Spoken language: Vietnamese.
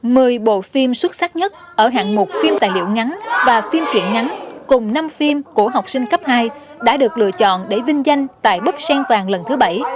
mười bộ phim xuất sắc nhất ở hạng mục phim tài liệu ngắn và phim truyện ngắn cùng năm phim của học sinh cấp hai đã được lựa chọn để vinh danh tại búp sen vàng